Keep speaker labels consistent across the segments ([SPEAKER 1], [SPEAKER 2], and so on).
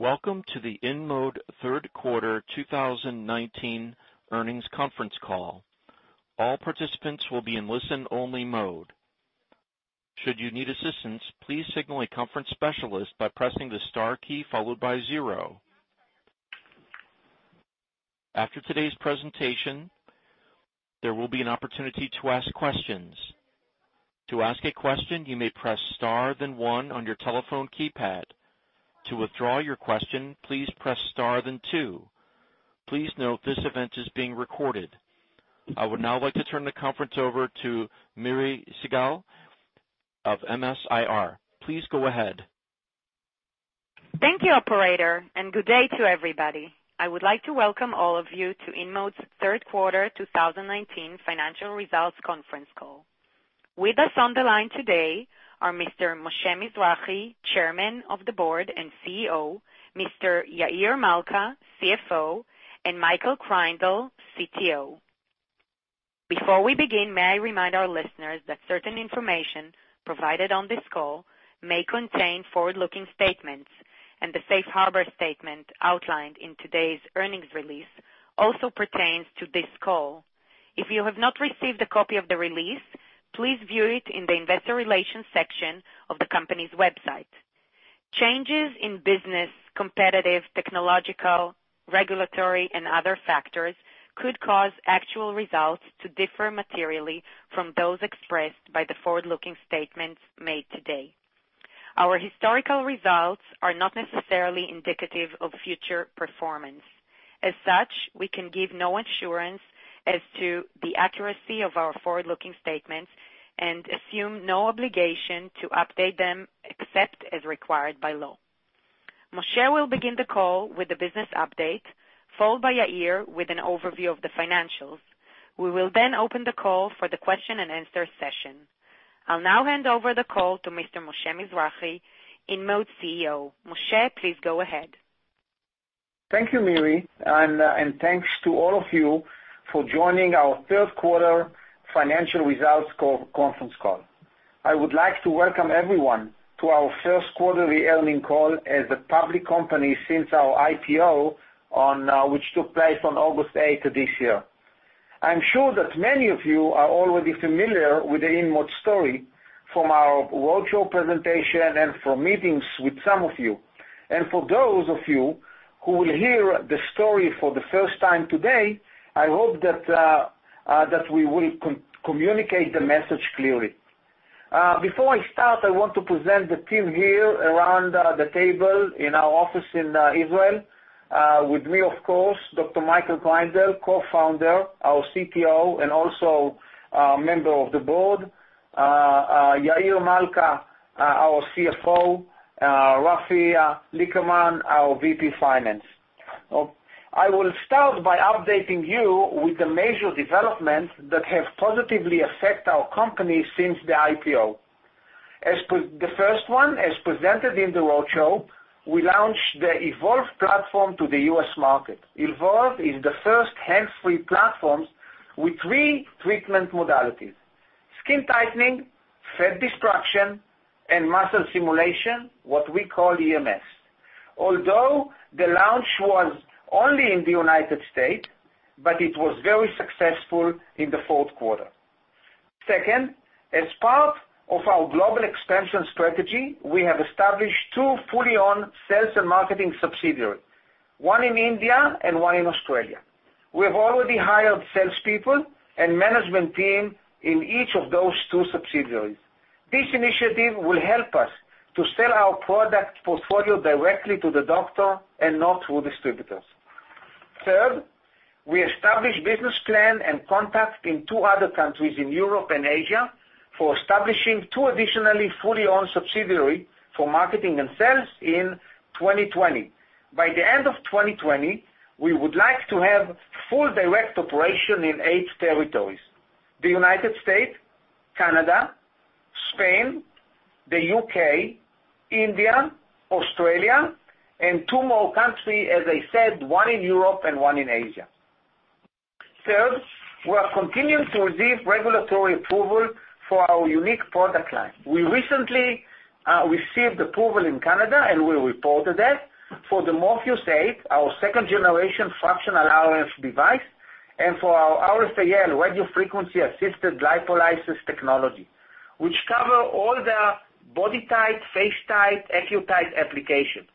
[SPEAKER 1] Welcome to the InMode third quarter 2019 earnings conference call. All participants will be in listen-only mode. Should you need assistance, please signal a conference specialist by pressing the star key followed by zero. After today's presentation, there will be an opportunity to ask questions. To ask a question, you may press star then one on your telephone keypad. To withdraw your question, please press star then two. Please note this event is being recorded. I would now like to turn the conference over to Miri Segal of MS-IR. Please go ahead.
[SPEAKER 2] Thank you, operator, and good day to everybody. I would like to welcome all of you to InMode's third quarter 2019 financial results conference call. With us on the line today are Mr. Moshe Mizrahy, Chairman of the Board and CEO, Mr. Yair Malca, CFO, and Michael Kreindel, CTO. Before we begin, may I remind our listeners that certain information provided on this call may contain forward-looking statements, and the safe harbor statement outlined in today's earnings release also pertains to this call. If you have not received a copy of the release, please view it in the investor relations section of the company's website. Changes in business, competitive, technological, regulatory, and other factors could cause actual results to differ materially from those expressed by the forward-looking statements made today. Our historical results are not necessarily indicative of future performance. As such, we can give no assurance as to the accuracy of our forward-looking statements and assume no obligation to update them except as required by law. Moshe will begin the call with the business update, followed by Yair with an overview of the financials. We will open the call for the question and answer session. I'll now hand over the call to Mr. Moshe Mizrahy, InMode's CEO. Moshe, please go ahead.
[SPEAKER 3] Thank you, Miri, and thanks to all of you for joining our third quarter financial results conference call. I would like to welcome everyone to our first quarterly earning call as a public company since our IPO, which took place on August eighth of this year. I'm sure that many of you are already familiar with the InMode story from our virtual presentation and from meetings with some of you. For those of you who will hear the story for the first time today, I hope that we will communicate the message clearly. Before I start, I want to present the team here around the table in our office in Israel. With me, of course, Dr. Michael Kreindel, co-founder, our CTO, and also a member of the board. Yair Malca, our CFO. Rafi Likerman, our VP, Finance. I will start by updating you with the major developments that have positively affect our company since the IPO. The first one, as presented in the roadshow, we launched the Evolve platform to the U.S. market. Evolve is the first hands-free platform with three treatment modalities: skin tightening, fat destruction, and muscle stimulation, what we call EMS. The launch was only in the United States, but it was very successful in the fourth quarter. Second, as part of our global expansion strategy, we have established two fully owned sales and marketing subsidiaries, one in India and one in Australia. We have already hired salespeople and management team in each of those two subsidiaries. This initiative will help us to sell our product portfolio directly to the doctor and not through distributors. Third, we established business plan and contacts in 2 other countries in Europe and Asia for establishing 2 additionally fully owned subsidiaries for marketing and sales in 2020. By the end of 2020, we would like to have full direct operation in 8 territories: the United States, Canada, Spain, the U.K., India, Australia, and 2 more countries, as I said, one in Europe and one in Asia. Third, we are continuing to receive regulatory approval for our unique product line. We recently received approval in Canada, we reported that, for the Morpheus8, our second-generation fractional RF device, and for our RFAL radiofrequency-assisted lipolysis technology, which cover all the BodyTite, FaceTite, AccuTite application.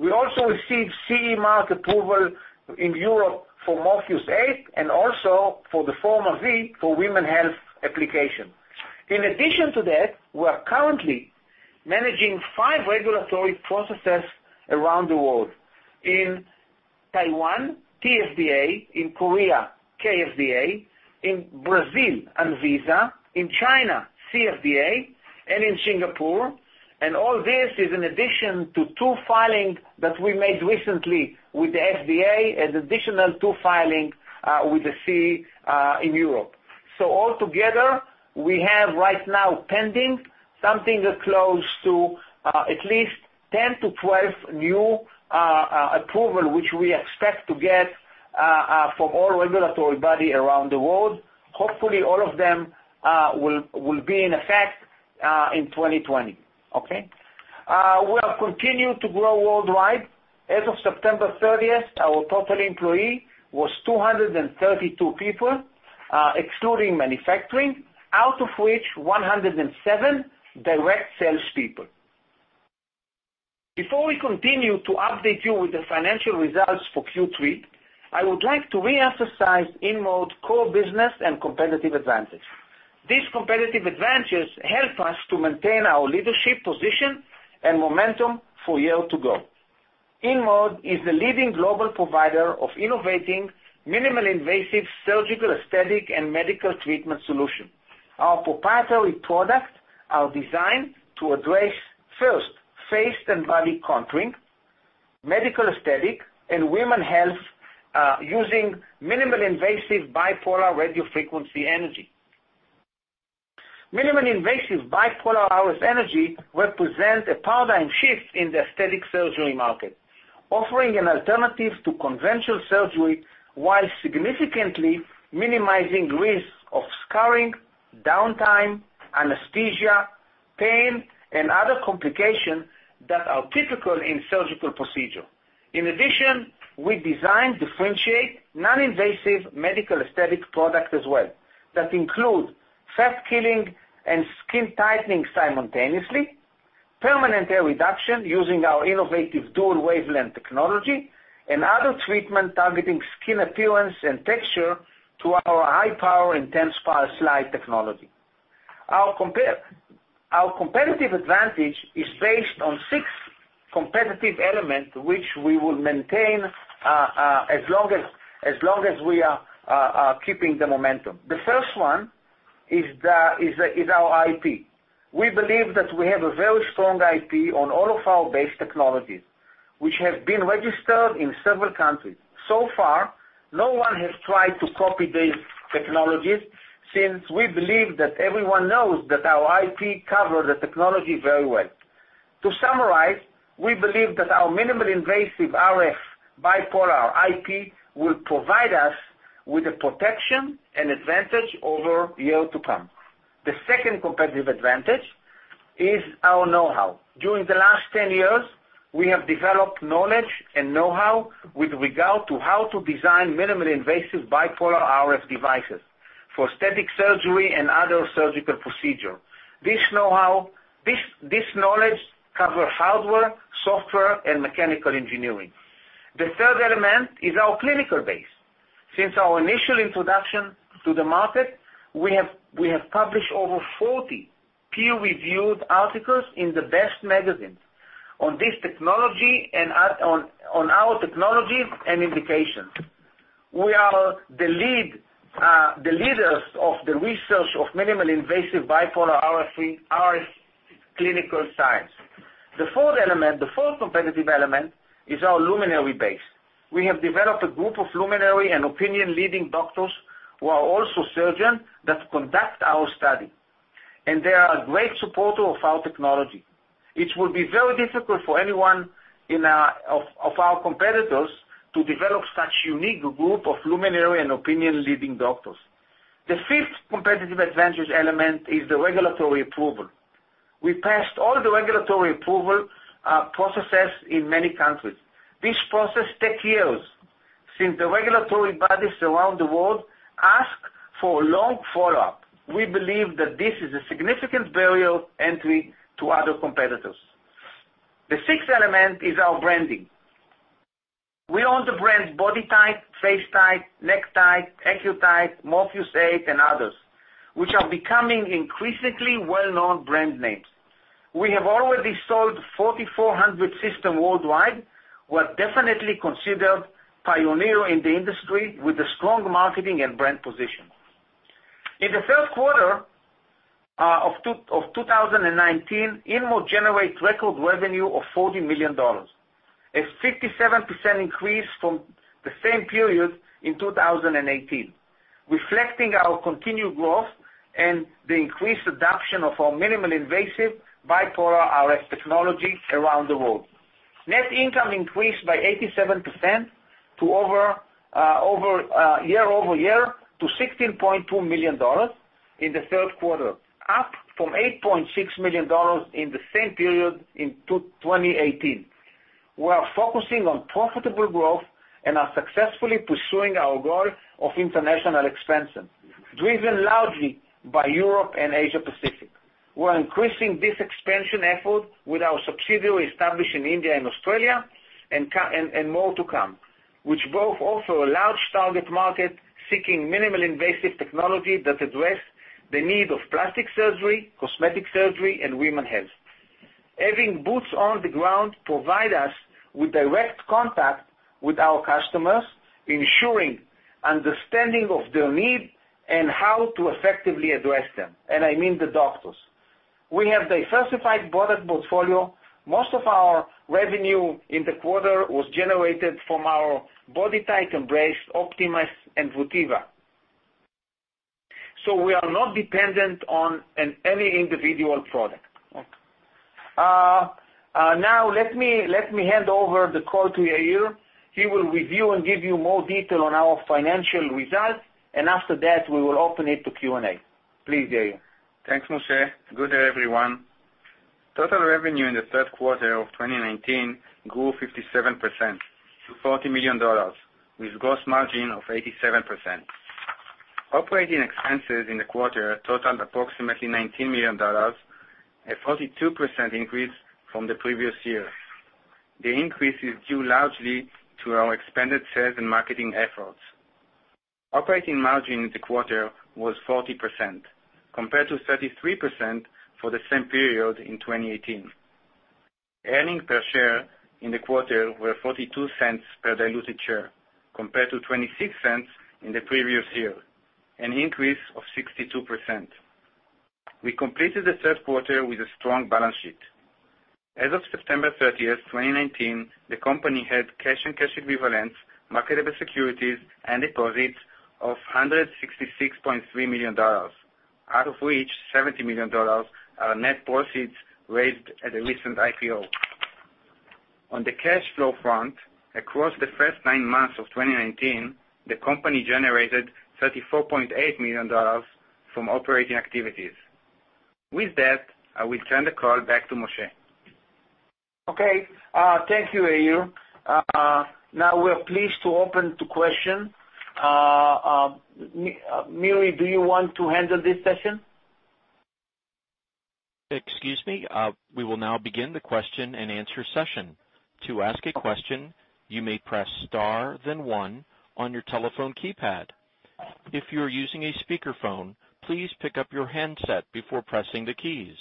[SPEAKER 3] We also received CE mark approval in Europe for Morpheus8 and also for the FormaV for women health application. In addition to that, we're currently managing 5 regulatory processes around the world. In Taiwan, TFDA, in Korea, KFDA, in Brazil, ANVISA, in China, CFDA, In Singapore, All this is in addition to two filings that we made recently with the FDA as additional two filings with the CE in Europe. Altogether, we have right now pending something close to at least 10 to 12 new approval, which we expect to get from all regulatory body around the world. Hopefully, all of them will be in effect in 2020. Okay. We have continued to grow worldwide. As of September 30th, our total employee was 232 people, excluding manufacturing, out of which 107 direct sales people. Before we continue to update you with the financial results for Q3, I would like to reemphasize InMode's core business and competitive advantages. These competitive advantages help us to maintain our leadership position and momentum for years to go. InMode is the leading global provider of innovative, minimally invasive surgical aesthetic and medical treatment solution. Our proprietary products are designed to address, first, face and body contouring, medical aesthetic, and women health, using minimally invasive bipolar radiofrequency energy. Minimally invasive bipolar RF energy represents a paradigm shift in the aesthetic surgery market, offering an alternative to conventional surgery while significantly minimizing risk of scarring, downtime, anesthesia, pain, and other complications that are typical in surgical procedure. In addition, we design differentiated non-invasive medical aesthetic product as well that include fat killing and skin tightening simultaneously, permanent hair reduction using our innovative dual wavelength technology, and other treatment targeting skin appearance and texture to our high power Intense Pulsed Light technology. Our competitive advantage is based on six competitive elements, which we will maintain as long as we are keeping the momentum. The first one is our IP. We believe that we have a very strong IP on all of our base technologies, which have been registered in several countries. So far, no one has tried to copy these technologies since we believe that everyone knows that our IP cover the technology very well. To summarize, we believe that our minimally invasive RF bipolar IP will provide us with the protection and advantage over years to come. The second competitive advantage is our know-how. During the last 10 years, we have developed knowledge and know-how with regard to how to design minimally invasive bipolar RF devices for aesthetic surgery and other surgical procedure. This knowledge covers hardware, software, and mechanical engineering. The third element is our clinical base. Since our initial introduction to the market, we have published over 40 peer-reviewed articles in the best magazines on our technology and indications. We are the leaders of the research of minimally invasive bipolar RF clinical science. The fourth competitive element is our luminary base. We have developed a group of luminary and opinion leading doctors who are also surgeons that conduct our study, and they are great supporter of our technology. It will be very difficult for any one of our competitors to develop such unique group of luminary and opinion leading doctors. The fifth competitive advantage element is the regulatory approval. We passed all the regulatory approval processes in many countries. This process take years since the regulatory bodies around the world ask for long follow-up. We believe that this is a significant barrier entry to other competitors. The sixth element is our branding. We own the brand BodyTite, FaceTite, NeckTite, AccuTite, Morpheus8, and others, which are becoming increasingly well-known brand names. We have already sold 4,400 systems worldwide. We're definitely considered pioneer in the industry with a strong marketing and brand position. In the third quarter of 2019, InMode generate record revenue of $40 million, a 57% increase from the same period in 2018, reflecting our continued growth and the increased adoption of our minimally invasive bipolar RF technology around the world. Net income increased by 87% year-over-year to $16.2 million in the third quarter, up from $8.6 million in the same period in 2018. We are focusing on profitable growth and are successfully pursuing our goal of international expansion, driven largely by Europe and Asia Pacific. We're increasing this expansion effort with our subsidiary established in India and Australia, and more to come, which both offer a large target market seeking minimally invasive technology that address the need of plastic surgery, cosmetic surgery, and women health. Having boots on the ground provide us with direct contact with our customers, ensuring understanding of their need and how to effectively address them, and I mean the doctors. We have diversified product portfolio. Most of our revenue in the quarter was generated from our BodyTite, Embrace, Optimas, and Votiva. We are not dependent on any individual product.
[SPEAKER 4] Okay.
[SPEAKER 3] Now let me hand over the call to Yair. He will review and give you more detail on our financial results, and after that, we will open it to Q&A. Please, Yair.
[SPEAKER 4] Thanks, Moshe. Good day, everyone. Total revenue in the third quarter of 2019 grew 57% to $40 million, with gross margin of 87%. Operating expenses in the quarter totaled approximately $19 million, a 42% increase from the previous year. The increase is due largely to our expanded sales and marketing efforts. Operating margin in the quarter was 40%, compared to 33% for the same period in 2018. Earnings per share in the quarter were $0.42 per diluted share, compared to $0.26 in the previous year, an increase of 62%. We completed the third quarter with a strong balance sheet. As of September 30th, 2019, the company had cash and cash equivalents, marketable securities, and deposits of $166.3 million, out of which $70 million are net proceeds raised at a recent IPO. On the cash flow front, across the first 9 months of 2019, the company generated $34.8 million from operating activities. With that, I will turn the call back to Moshe.
[SPEAKER 3] Okay. Thank you, Yair. We are pleased to open to question. Miri, do you want to handle this session?
[SPEAKER 1] Excuse me. We will now begin the question and answer session. To ask a question, you may press star then one on your telephone keypad. If you're using a speakerphone, please pick up your handset before pressing the keys.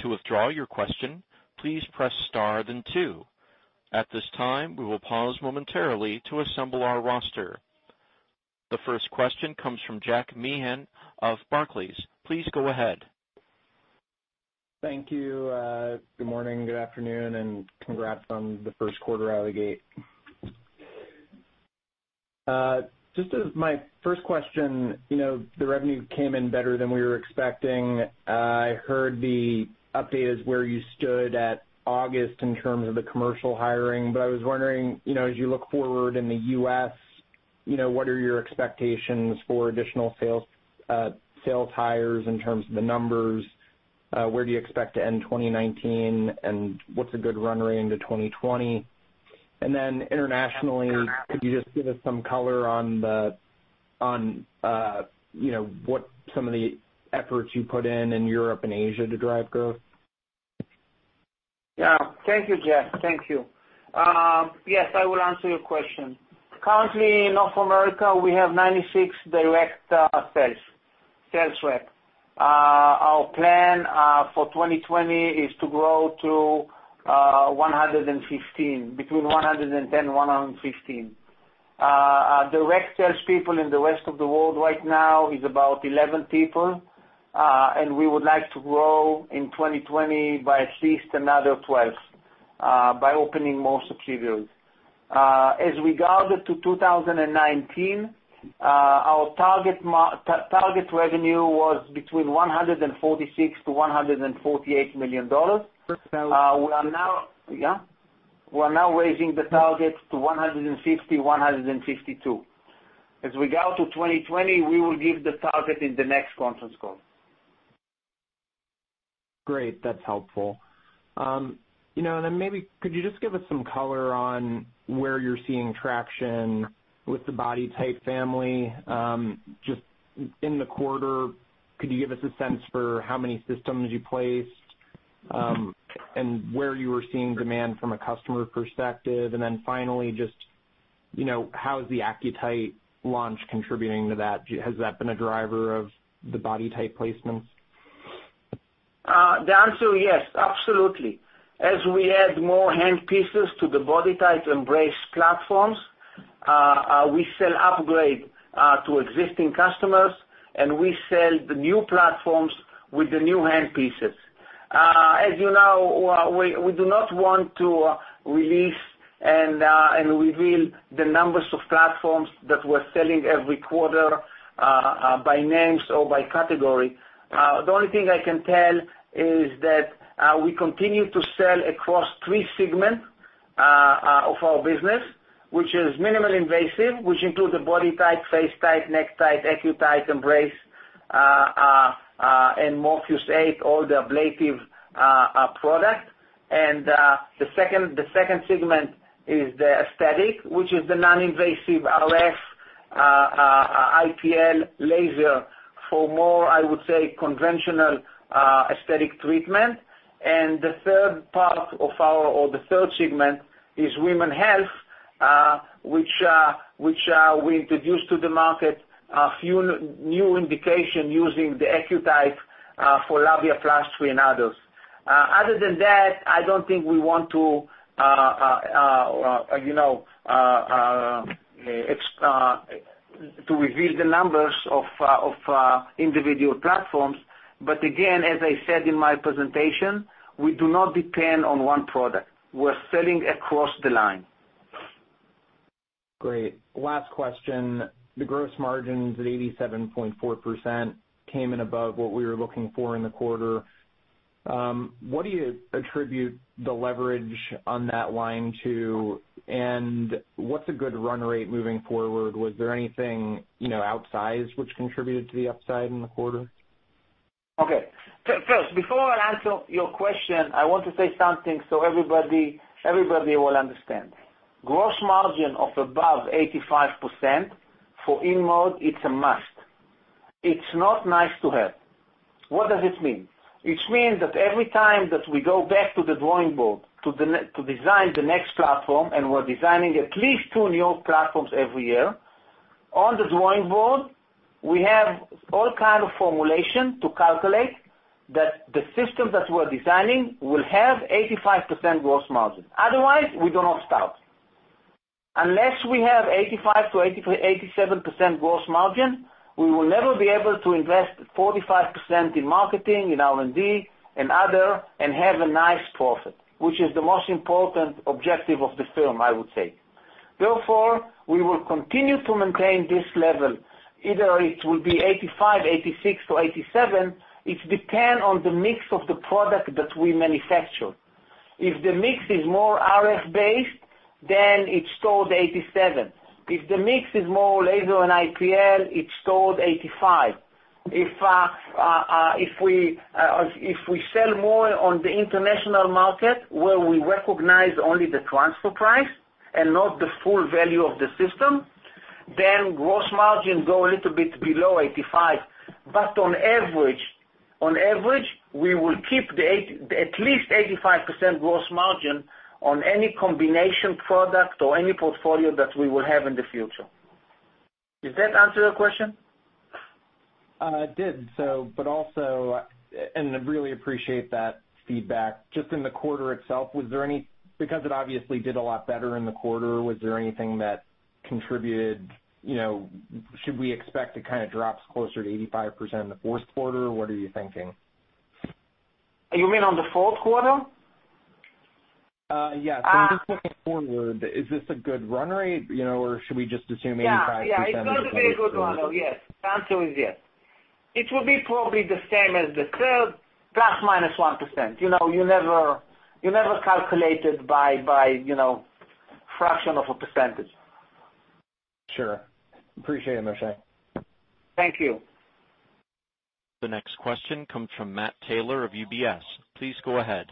[SPEAKER 1] To withdraw your question, please press star then two. At this time, we will pause momentarily to assemble our roster. The first question comes from Jack Meehan of Barclays. Please go ahead.
[SPEAKER 5] Thank you. Good morning, good afternoon, and congrats on the first quarter out of gate. Just as my first question, the revenue came in better than we were expecting. I heard the update is where you stood at August in terms of the commercial hiring, but I was wondering, as you look forward in the U.S., what are your expectations for additional sales hires in terms of the numbers? Where do you expect to end 2019, and what's a good run rate into 2020? Then internationally, could you just give us some color on what some of the efforts you put in in Europe and Asia to drive growth?
[SPEAKER 3] Thank you, Jack. Thank you. I will answer your question. Currently in North America, we have 96 direct sales reps. Our plan, for 2020, is to grow to 115, between 110 and 115. Our direct sales people in the rest of the world right now is about 11 people. We would like to grow in 2020 by at least another 12, by opening more subsidiaries. As regarded to 2019, our target revenue was between $146 million-$148 million. We're now raising the target to $160, $152. As regard to 2020, we will give the target in the next conference call.
[SPEAKER 5] Great. That's helpful. Maybe could you just give us some color on where you're seeing traction with the BodyTite family? Just in the quarter, could you give us a sense for how many systems you placed, and where you were seeing demand from a customer perspective? Finally, just how is the AccuTite launch contributing to that? Has that been a driver of the BodyTite placements?
[SPEAKER 3] The answer, yes, absolutely. As we add more hand pieces to the BodyTite EmbraceRF platforms, we sell upgrade to existing customers, and we sell the new platforms with the new hand pieces. As you know, we do not want to release and reveal the numbers of platforms that we're selling every quarter, by names or by category. The only thing I can tell is that we continue to sell across three segments of our business, which is minimally invasive, which includes the BodyTite, FaceTite, NeckTite, AccuTite, EmbraceRF, and Morpheus8, all the ablative products. The second segment is the aesthetic, which is the non-invasive RF, IPL laser for more, I would say, conventional aesthetic treatment. The third part or the third segment is women health, which we introduced to the market a few new indication using the AccuTite for labiaplasty and others. Other than that, I don't think we want to reveal the numbers of individual platforms. Again, as I said in my presentation, we do not depend on one product. We're selling across the line.
[SPEAKER 5] Great. Last question. The gross margins at 87.4% came in above what we were looking for in the quarter. What do you attribute the leverage on that line to, and what's a good run rate moving forward? Was there anything outside which contributed to the upside in the quarter?
[SPEAKER 3] Okay. First, before I answer your question, I want to say something so everybody will understand. Gross margin of above 85% for InMode, it's a must. It's not nice to have. What does it mean? It means that every time that we go back to the drawing board to design the next platform, and we're designing at least two new platforms every year, on the drawing board, we have all kind of formulation to calculate that the system that we're designing will have 85% gross margin. Otherwise, we do not start. Unless we have 85%-87% gross margin, we will never be able to invest 45% in marketing, in R&D, and other, and have a nice profit, which is the most important objective of the firm, I would say. Therefore, we will continue to maintain this level. Either it will be 85, 86 or 87. It depends on the mix of the product that we manufacture. If the mix is more RF-based, then it's still 87. If the mix is more laser and IPL, it's still 85. If we sell more on the international market, where we recognize only the transfer price and not the full value of the system, then gross margin go a little bit below 85. On average, we will keep at least 85% gross margin on any combination product or any portfolio that we will have in the future. Did that answer your question?
[SPEAKER 5] It did, and I really appreciate that feedback. Just in the quarter itself, because it obviously did a lot better in the quarter, was there anything that contributed? Should we expect it kind of drops closer to 85% in the fourth quarter? What are you thinking?
[SPEAKER 3] You mean on the fourth quarter?
[SPEAKER 5] Yes. When you're looking forward, is this a good run rate? Should we just assume 85%?
[SPEAKER 3] Yeah. It is going to be a good run rate. Yes. The answer is yes. It will be probably the same as the third, plus minus 1%. You never calculate it by fraction of a percentage.
[SPEAKER 5] Sure. Appreciate it, Moshe.
[SPEAKER 3] Thank you.
[SPEAKER 1] The next question comes from Matt Taylor of UBS. Please go ahead.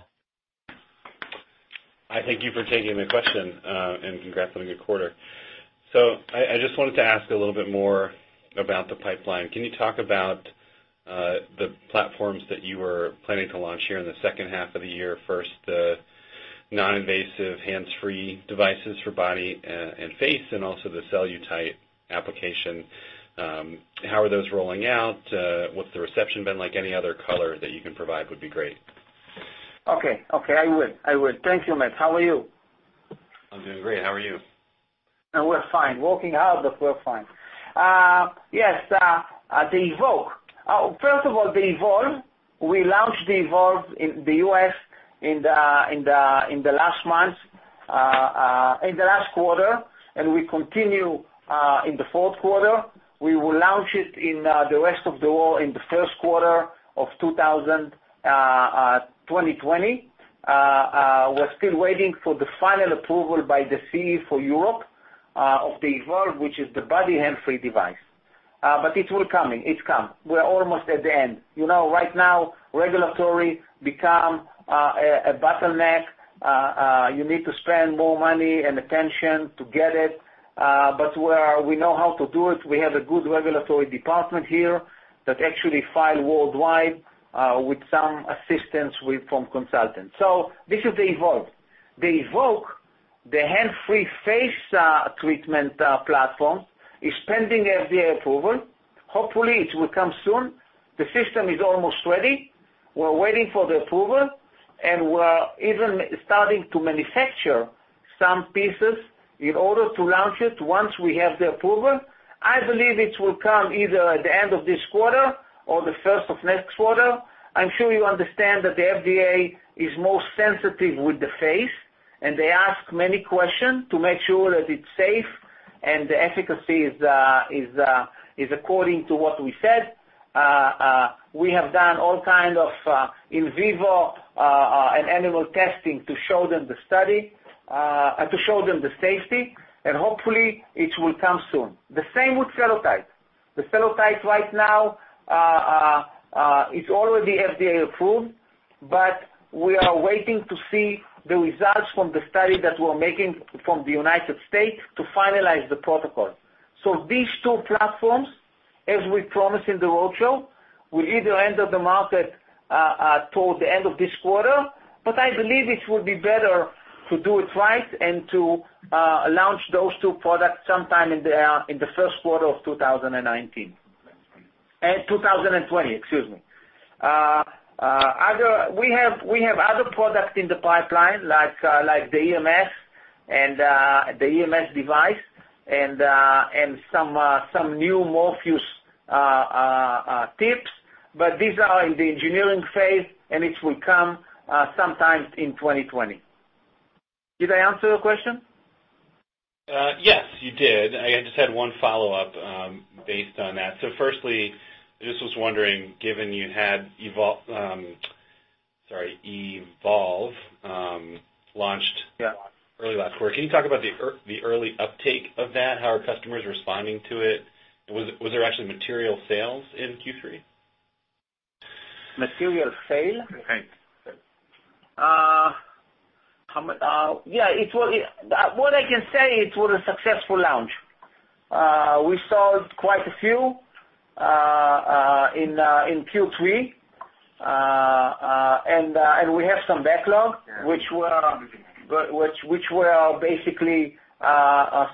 [SPEAKER 6] Hi, thank you for taking my question, and congrats on a good quarter. I just wanted to ask a little bit more about the pipeline. Can you talk about the platforms that you were planning to launch here in the second half of the year? First, the non-invasive hands-free devices for body and face, and also the CelluTite application. How are those rolling out? What's the reception been like? Any other color that you can provide would be great.
[SPEAKER 3] Okay. I will. Thank you, Matt. How are you?
[SPEAKER 6] I'm doing great. How are you?
[SPEAKER 3] We're fine. Working hard, but we're fine. Yes, the Evoke. First of all, the Evolve, we launched the Evolve in the U.S. in the last month, in the last quarter, and we continue, in the fourth quarter. We will launch it in the rest of the world in the first quarter of 2020. We're still waiting for the final approval by the CE for Europe of the Evolve, which is the body hand-free device. It will coming. It come. We're almost at the end. Right now, regulatory become a bottleneck. You need to spend more money and attention to get it. We know how to do it. We have a good regulatory department here that actually file worldwide, with some assistance from consultants. This is the Evolve. The Evoke, the hand-free face treatment platform, is pending FDA approval. Hopefully, it will come soon. The system is almost ready. We're waiting for the approval, and we're even starting to manufacture some pieces in order to launch it once we have the approval. I believe it will come either at the end of this quarter or the first of next quarter. I'm sure you understand that the FDA is most sensitive with the face, and they ask many questions to make sure that it's safe and the efficacy is according to what we said. We have done all kind of in vivo and animal testing to show them the safety, and hopefully it will come soon. The same with CelluTite. The CelluTite right now, is already FDA-approved, but we are waiting to see the results from the study that we're making from the U.S. to finalize the protocol. These two platforms, as we promised in the roadshow, will either enter the market toward the end of this quarter, but I believe it would be better to do it right and to launch those two products sometime in the first quarter of 2020, excuse me. We have other products in the pipeline, like the EMS device and some new Morpheus tips. These are in the engineering phase, and it will come sometime in 2020. Did I answer your question?
[SPEAKER 6] Yes, you did. I just had one follow-up based on that. Firstly, I just was wondering, given you had, sorry, Evolve launched early last quarter, can you talk about the early uptake of that? How are customers responding to it? Was there actually material sales in Q3?
[SPEAKER 3] Material sale?
[SPEAKER 6] Sale.
[SPEAKER 3] Yeah. What I can say, it was a successful launch. We sold quite a few in Q3, and we have some backlog, which we are basically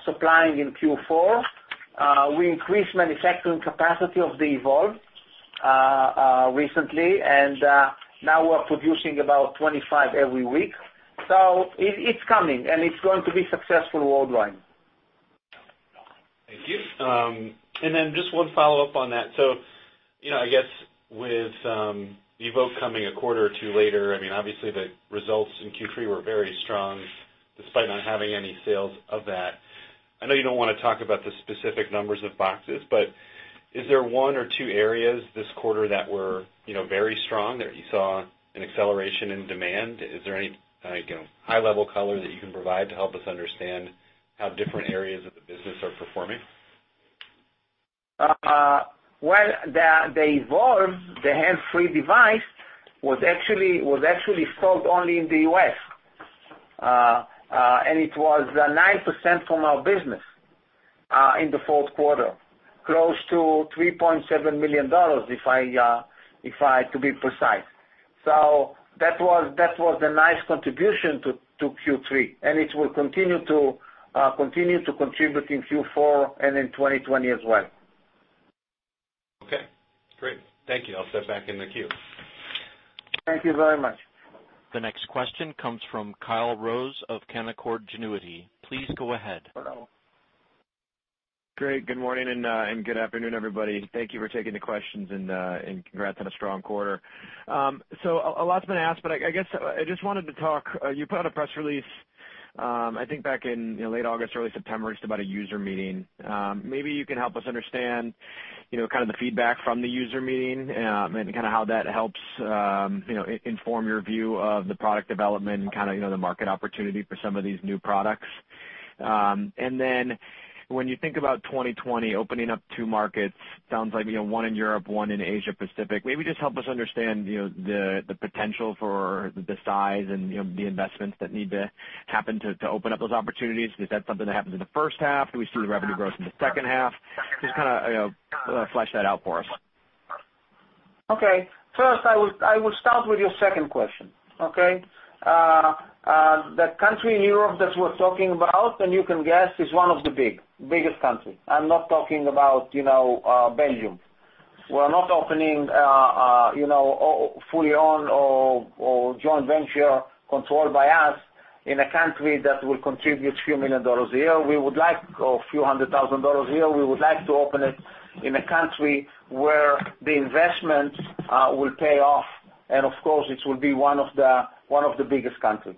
[SPEAKER 3] supplying in Q4. We increased manufacturing capacity of the Evolve recently, and now we're producing about 25 every week. It's coming, and it's going to be successful worldwide.
[SPEAKER 6] Thank you. Then just one follow-up on that. I guess with Evolve coming a quarter or two later, I mean, obviously, the results in Q3 were very strong despite not having any sales of that. I know you don't want to talk about the specific numbers of boxes, is there one or two areas this quarter that were very strong, that you saw an acceleration in demand? Is there any high-level color that you can provide to help us understand how different areas of the business are performing?
[SPEAKER 3] Well, the Evolve, the hands-free device, was actually sold only in the U.S., and it was 9% from our business, in the third quarter, close to $3.7 million, to be precise. That was a nice contribution to Q3, and it will continue to contribute in Q4 and in 2020 as well.
[SPEAKER 6] Okay, great. Thank you. I'll step back in the queue.
[SPEAKER 3] Thank you very much.
[SPEAKER 1] The next question comes from Kyle Rose of Canaccord Genuity. Please go ahead.
[SPEAKER 7] Great. Good morning and good afternoon, everybody. Thank you for taking the questions and congrats on a strong quarter. A lot's been asked, but I guess I just wanted to talk, you put out a press release I think back in late August, early September-ish, about a user meeting. Maybe you can help us understand kind of the feedback from the user meeting, and kind of how that helps inform your view of the product development and kind of the market opportunity for some of these new products. When you think about 2020, opening up two markets, sounds like one in Europe, one in Asia Pacific. Maybe just help us understand the potential for the size and the investments that need to happen to open up those opportunities. Is that something that happens in the first half? Do we see the revenue growth in the second half? Just kind of flesh that out for us.
[SPEAKER 3] Okay. First, I will start with your second question. Okay? The country in Europe that we're talking about, and you can guess, is one of the biggest countries. I'm not talking about Belgium. We're not opening fully own or joint venture controlled by us in a country that will contribute a few million USD a year, or a few hundred thousand USD a year. We would like to open it in a country where the investment will pay off, and of course, it will be one of the biggest countries.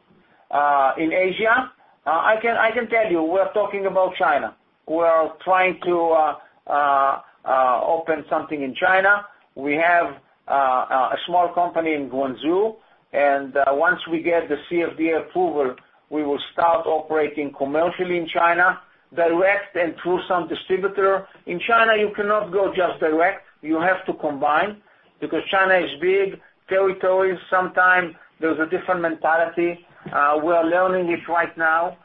[SPEAKER 3] In Asia, I can tell you, we're talking about China. We are trying to open something in China. We have a small company in Guangzhou, and once we get the CFDA approval, we will start operating commercially in China, direct and through some distributor. In China, you cannot go just direct. You have to combine because China is big territory. Sometimes there's a different mentality. We are learning it right now,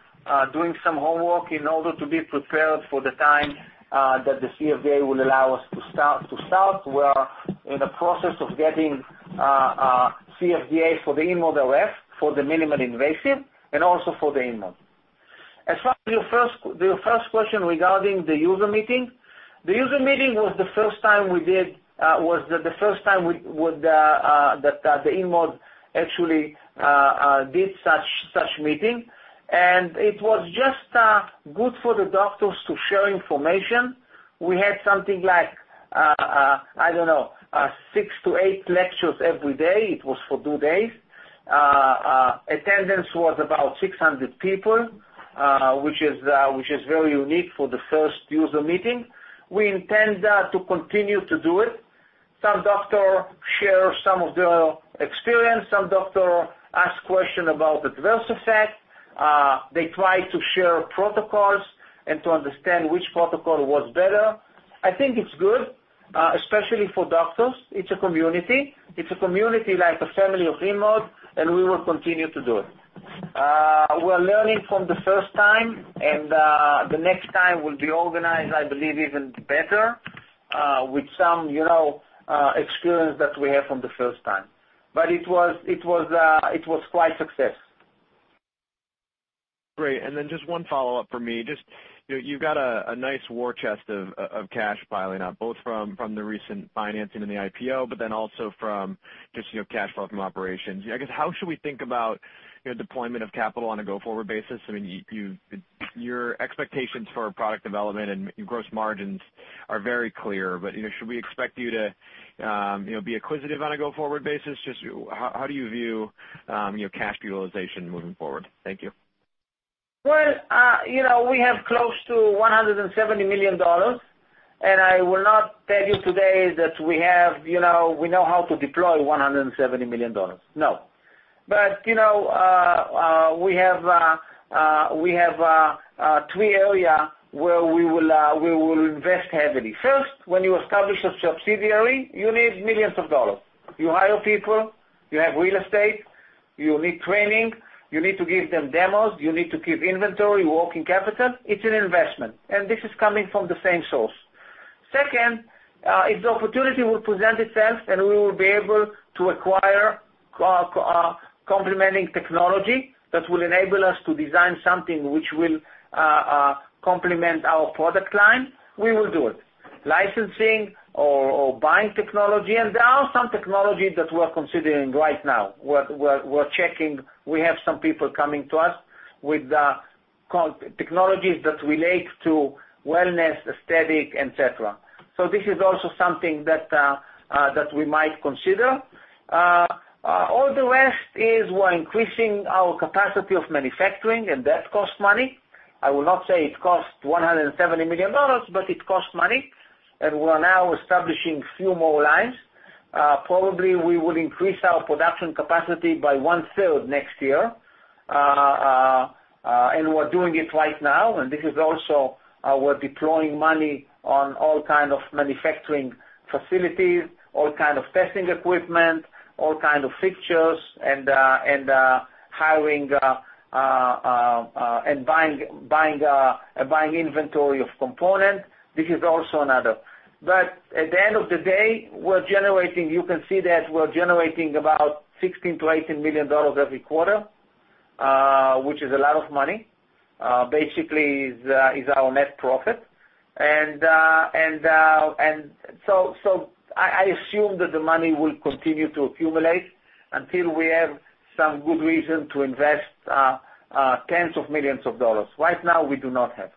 [SPEAKER 3] doing some homework in order to be prepared for the time that the CFDA will allow us to start. We are in the process of getting CFDA for the InMode RF, for the minimal invasive, and also for the InMode. As for your first question regarding the user meeting, the user meeting was the first time that the InMode actually did such meeting, and it was just good for the doctors to share information. We had something like, I don't know, six to eight lectures every day. It was for two days. Attendance was about 600 people, which is very unique for the first user meeting. We intend to continue to do it. Some doctor share some of their experience. Some doctor ask question about adverse effect. They try to share protocols, and to understand which protocol was better. I think it's good, especially for doctors. It's a community. It's a community like a family of InMode, and we will continue to do it. We're learning from the first time, and the next time will be organized, I believe, even better, with some experience that we have from the first time. It was quite success.
[SPEAKER 7] Great. Just one follow-up for me. You've got a nice war chest of cash piling up, both from the recent financing and the IPO, but then also from just cash flow from operations. I guess, how should we think about deployment of capital on a go-forward basis? Your expectations for product development and gross margins are very clear. Should we expect you to be acquisitive on a go-forward basis? Just how do you view your cash utilization moving forward? Thank you.
[SPEAKER 3] Well, we have close to $170 million, and I will not tell you today that we know how to deploy $170 million. No. We have three areas where we will invest heavily. First, when you establish a subsidiary, you need millions of dollars. You hire people, you have real estate, you need training, you need to give them demos, you need to keep inventory, working capital. It's an investment, and this is coming from the same source. Second, if the opportunity will present itself, and we will be able to acquire complementing technology that will enable us to design something which will complement our product line, we will do it. Licensing or buying technology, and there are some technologies that we're considering right now. We're checking. We have some people coming to us with technologies that relate to wellness, aesthetic, et cetera. This is also something that we might consider. All the rest is we're increasing our capacity of manufacturing, and that costs money. I will not say it costs $170 million, but it costs money, and we're now establishing few more lines. Probably, we would increase our production capacity by one-third next year, and we're doing it right now, and this is also, we're deploying money on all kind of manufacturing facilities, all kind of testing equipment, all kind of fixtures, and hiring, and buying inventory of components. This is also another. At the end of the day, you can see that we're generating about $16 million-$18 million every quarter, which is a lot of money. Basically, is our net profit. I assume that the money will continue to accumulate until we have some good reason to invest tens of millions of dollars. Right now, we do not have.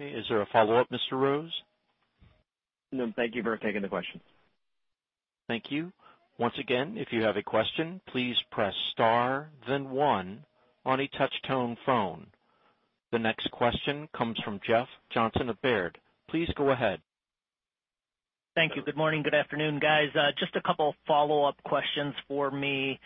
[SPEAKER 1] Okay. Is there a follow-up, Mr. Rose?
[SPEAKER 7] No. Thank you for taking the question.
[SPEAKER 1] Thank you. Once again, if you have a question, please press star then one on a touch-tone phone. The next question comes from Jeff Johnson of Baird. Please go ahead.
[SPEAKER 8] Thank you. Good morning, good afternoon, guys. Just a couple follow-up questions for me.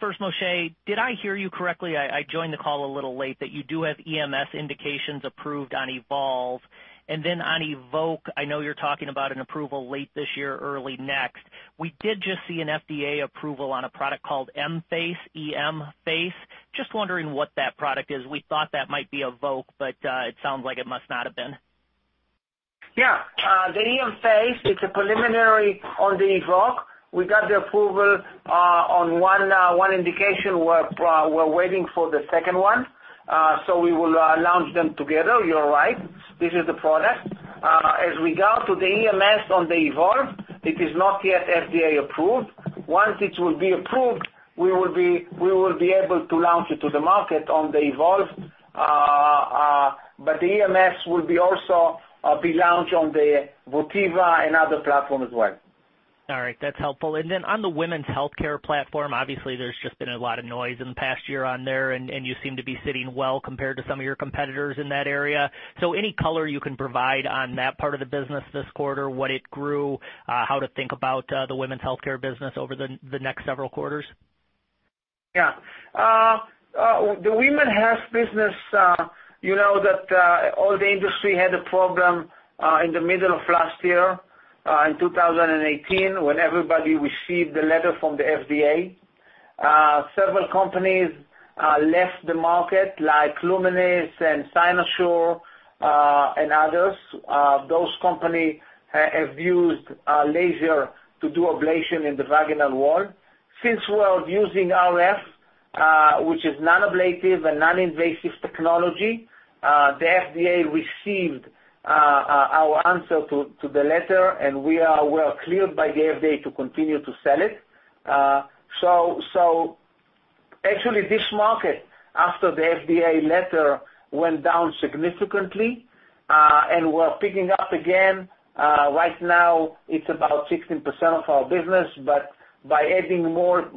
[SPEAKER 8] First, Moshe, did I hear you correctly, I joined the call a little late, that you do have EMS indications approved on Evolve? Then on Evoke, I know you're talking about an approval late this year, early next. We did just see an FDA approval on a product called EMFACE, E-M Face. Just wondering what that product is. We thought that might be Evoke, but it sounds like it must not have been.
[SPEAKER 3] Yeah. The EMFace, it's a preliminary on the Evoke. We got the approval on one indication. We're waiting for the second one. We will launch them together, you're right. This is the product. As regard to the EMS on the Evolve, it is not yet FDA-approved. Once it will be approved, we will be able to launch it to the market on the Evolve. The EMS will also be launched on the Votiva and other platform as well.
[SPEAKER 8] All right. That's helpful. On the women's healthcare platform, obviously, there's just been a lot of noise in the past year on there, and you seem to be sitting well compared to some of your competitors in that area. Any color you can provide on that part of the business this quarter, what it grew, how to think about the women's healthcare business over the next several quarters?
[SPEAKER 3] Yeah. The women health business, you know that all the industry had a problem in the middle of last year, in 2018, when everybody received the letter from the FDA. Several companies left the market, like Lumenis and Cynosure, and others. Those companies have used laser to do ablation in the vaginal wall. Since we're using RF, which is non-ablative and non-invasive technology, the FDA received our answer to the letter, and we're cleared by the FDA to continue to sell it. Actually, this market, after the FDA letter, went down significantly, and we're picking up again. Right now it's about 16% of our business, but by adding more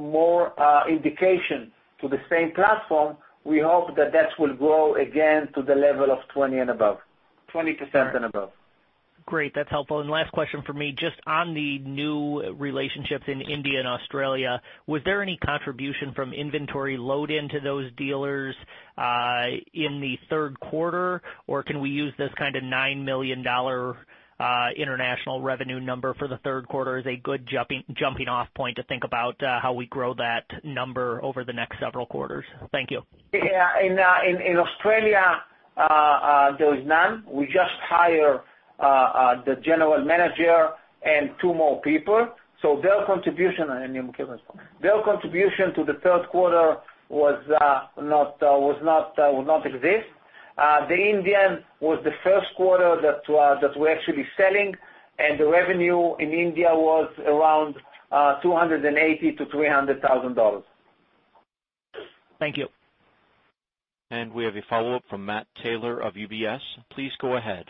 [SPEAKER 3] indication to the same platform, we hope that that will grow again to the level of 20% and above.
[SPEAKER 8] Great. That's helpful. Last question for me, just on the new relationships in India and Australia, was there any contribution from inventory load-in to those dealers in the third quarter? Can we use this kind of $9 million international revenue number for the third quarter as a good jumping off point to think about how we grow that number over the next several quarters? Thank you.
[SPEAKER 3] Yeah. In Australia, there is none. We just hire the general manager and two more people. Their contribution to the third quarter would not exist. The Indian was the first quarter that we're actually selling, and the revenue in India was around $280,000-$300,000.
[SPEAKER 8] Thank you.
[SPEAKER 1] We have a follow-up from Matt Taylor of UBS. Please go ahead.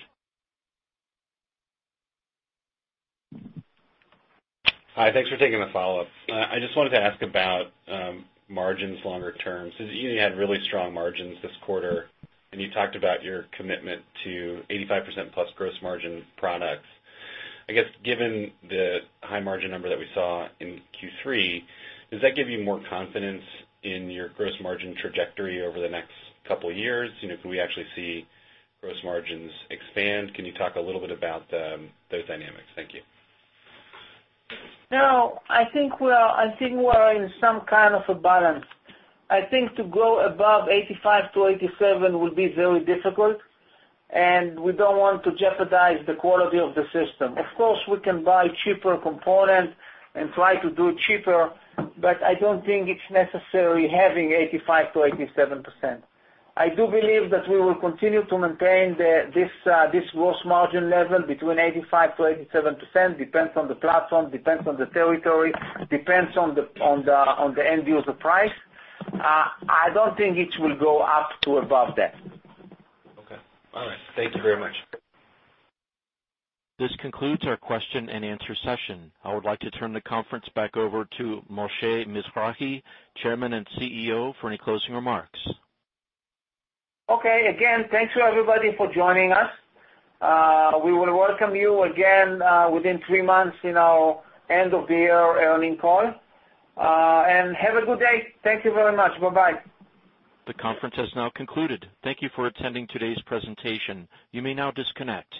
[SPEAKER 6] Hi. Thanks for taking the follow-up. I just wanted to ask about margins longer term. You had really strong margins this quarter, and you talked about your commitment to 85%-plus gross margin products. I guess, given the high margin number that we saw in Q3, does that give you more confidence in your gross margin trajectory over the next couple of years? Can we actually see gross margins expand? Can you talk a little bit about those dynamics? Thank you.
[SPEAKER 3] No, I think we're in some kind of a balance. I think to grow above 85%-87% would be very difficult, and we don't want to jeopardize the quality of the system. Of course, we can buy cheaper components and try to do cheaper, but I don't think it's necessary having 85%-87%. I do believe that we will continue to maintain this gross margin level between 85%-87%, depends on the platform, depends on the territory, depends on the end user price. I don't think it will go up to above that.
[SPEAKER 6] Okay. All right. Thank you very much.
[SPEAKER 1] This concludes our question and answer session. I would like to turn the conference back over to Moshe Mizrahi, Chairman and CEO, for any closing remarks.
[SPEAKER 3] Okay. Again, thanks to everybody for joining us. We will welcome you again within three months in our end-of-year earnings call. Have a good day. Thank you very much. Bye-bye.
[SPEAKER 1] The conference has now concluded. Thank you for attending today's presentation. You may now disconnect.